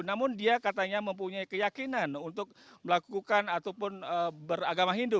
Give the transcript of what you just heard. namun dia katanya mempunyai keyakinan untuk melakukan ataupun beragama hindu